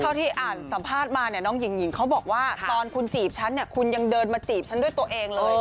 ที่อ่านสัมภาษณ์มาเนี่ยน้องหญิงเขาบอกว่าตอนคุณจีบฉันเนี่ยคุณยังเดินมาจีบฉันด้วยตัวเองเลย